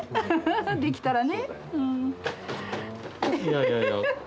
できたらね。